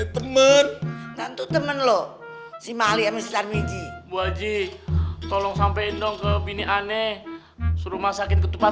temen temen lo si mali mr mizi wajib tolong sampein dong ke bini aneh suruh masakin ketupat